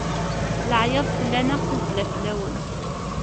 Laɛyaḍ fell-aneɣ, tazzla fell-awen.